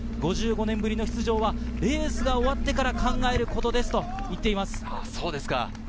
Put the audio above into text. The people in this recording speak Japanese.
５５年ぶりの出場はレースが終わってから考えることですと言っています。